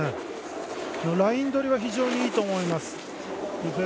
ライン取りは非常にいいと思います。